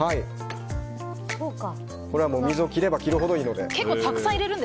これは水を切れば切るほどいいので。